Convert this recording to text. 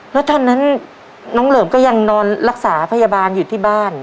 แล้วตอนนั้นน้องเหลิมก็ยังนอนรักษาพยาบาลอยู่ที่บ้าน